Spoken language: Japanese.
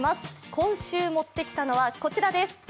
今週、持ってきたのはこちらです。